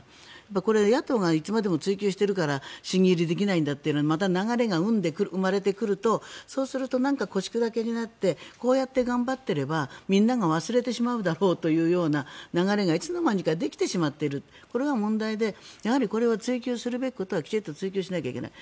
これ、野党がいつまでも追及しているから審議入りできないんだというまた流れが生まれてくるとそうすると、腰砕けになってこうやって頑張ってればみんなが忘れてしまうだろうという流れがいつの間にかできてしまっているこれが問題で、やはりこれは追及するべきことはきちんと追及しないといけない。